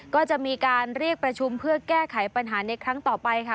ก็จะมีการเรียกประชุมเพื่อแก้ไขปัญหาในครั้งต่อไปค่ะ